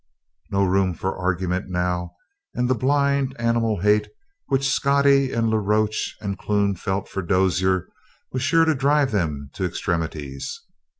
No room for argument now; and the blind, animal hate which Scottie and La Roche and Clune felt for Dozier was sure to drive them to extremities.